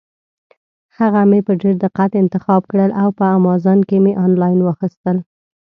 هغه مې په ډېر دقت انتخاب کړل او په امازان کې مې انلاین واخیستل.